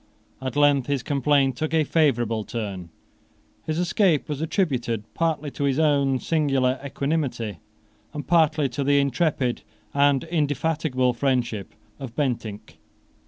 At length his complaint took a favourable turn. His escape was attributed partly to his own singular equanimity, and partly to the intrepid and indefatigable friendship of Bentinck.